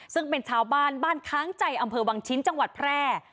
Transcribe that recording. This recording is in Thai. ซึ่งเป็นชาวบ้านบ้านค้างใจอำเภอวังชิ้นจังหวัดแพร่